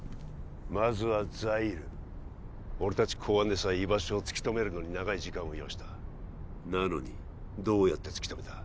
まずはザイール俺達公安でさえ居場所を突き止めるのに長い時間を要したなのにどうやって突き止めた？